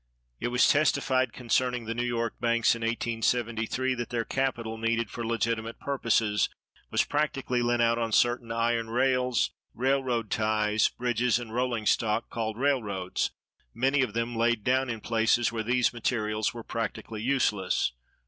It was testified(244) concerning the New York banks in 1873 that "their capital needed for legitimate purposes was practically lent out on certain iron rails, railroad ties, bridges, and rolling stock, called railroads, many of them laid down in places where these materials were practically useless."